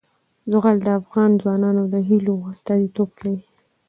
زغال د افغان ځوانانو د هیلو استازیتوب کوي.